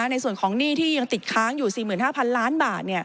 ในส่วนของหนี้ที่ยังติดค้างอยู่๔๕๐๐๐ล้านบาท